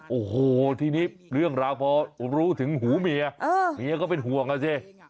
โอ้โหทีนี้เรื่องราวพอรู้ถึงหูเมียเมียก็เป็นห่วงอ่ะสิ